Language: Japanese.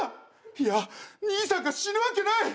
いや兄さんが死ぬわけない！